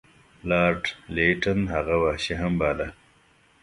لارډ لیټن هغه وحشي هم باله.